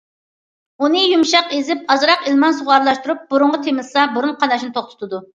ئۇنى يۇمشاق ئېزىپ ئازراق ئىلمان سۇغا ئارىلاشتۇرۇپ بۇرۇنغا تېمىتسا بۇرۇن قاناشنى توختىتىدۇ.